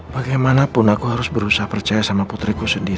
bagaimanapun aku harus berusaha percaya sama putriku sendiri